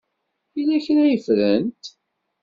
Yella kra ay ffrent?